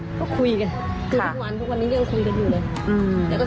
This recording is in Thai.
ทุกวันทุกวันนี้เรื่องคุยกันอยู่อย่างเลย